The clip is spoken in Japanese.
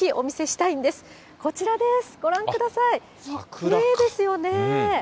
きれいですよねぇ。